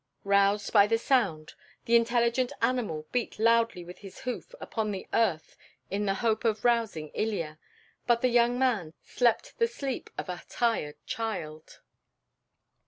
Roused by the sound, the intelligent animal beat loudly with his hoof upon the earth in the hope of rousing Ilya; but the young man slept the sleep of a tired child.